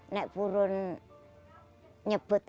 nek burun nyebut